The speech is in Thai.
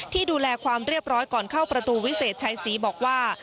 ที่ดูแลความเรียบร้อยก่อนเข้าประตูวิเศษชัยศรีบอกว่า